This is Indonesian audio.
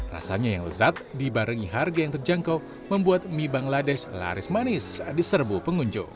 rasanya yang lezat dibarengi harga yang terjangkau membuat mie bangladesh laris manis di serbu pengunjung